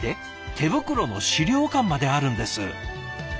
手袋の資料館まであるんです。